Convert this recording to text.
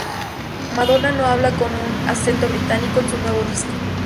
Madonna no habla con un acento británico en su nuevo disco.